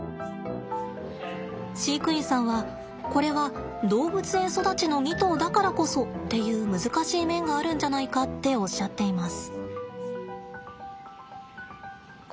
飼育員さんはこれは動物園育ちの２頭だからこそっていう難しい面があるんじゃないかっておっしゃっています。